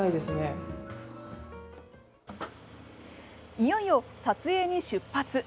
いよいよ撮影に出発。